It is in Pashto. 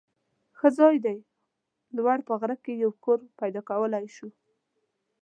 ښه ځای دی. لوړ په غر کې یو کور پیدا کولای شو.